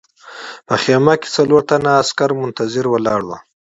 په خیمه کې څلور تنه عسکر منتظر ولاړ وو